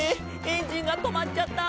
エンジンがとまっちゃった！」